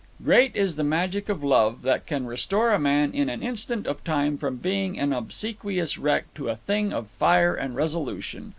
Great is the magic of love that can restore a man in an instant of time from being an obsequious wreck to a thing of fire and resolution.